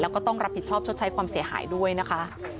แล้วก็ต้องรับผิดชอบชดใช้ความเสียหายด้วยนะคะ